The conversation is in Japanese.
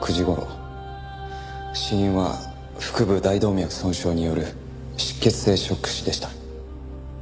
死因は腹部大動脈損傷による出血性ショック死でした。